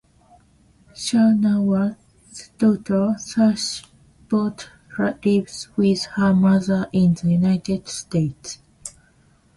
Shahnawaz's daughter Sassi Bhutto lives with her mother in the United States.